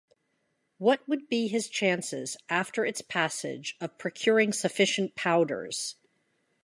What would be his chances after its passage of procuring sufficient powders